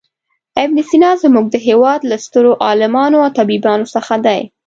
ابن سینا زموږ د هېواد له سترو عالمانو او طبیبانو څخه دی.